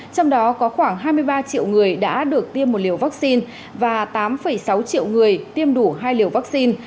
trong đó có khoảng hai mươi ba triệu người đã được tiêm một liều vaccine và tám sáu triệu người tiêm đủ hai liều vaccine